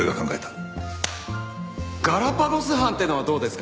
ガラパゴス班っていうのはどうですか？